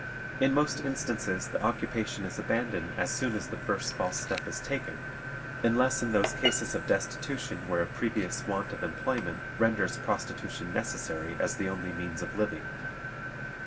In most instances the occupation is abandoned as soon as the first false step is taken, unless in those cases of destitution where a previous want of employment renders prostitution necessary as the only means of living.